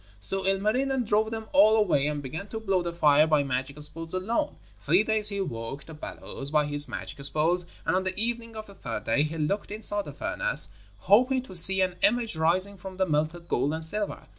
So Ilmarinen drove them all away and began to blow the fire by magic spells alone. Three days he worked the bellows by his magic spells, and on the evening of the third day he looked inside the furnace, hoping to see an image rising from the melted gold and silver.